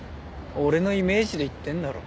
俺のイメージで言ってんだろ。